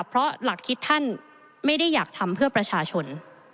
เพราะหลักคิดท่านไม่ได้อยากทำเพื่อประชาชน